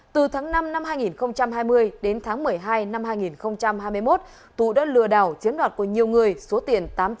từ tháng năm năm hai nghìn hai mươi đến tháng một mươi hai năm hai nghìn hai mươi một tú đã lừa đảo chiếm đoạt của nhiều người số tiền tám trăm năm mươi năm triệu đồng